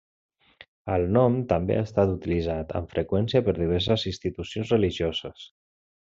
El nom també ha estat utilitzat amb freqüència per diverses institucions religioses.